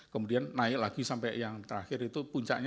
kemudian naik lagi sampai yang terakhir itu puncaknya satu ratus dua puluh lima